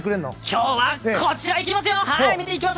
今日はこちら行きますよ！